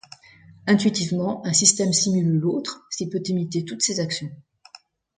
Intuitivement, un système simule l'autre s'il peut imiter toutes ses actions.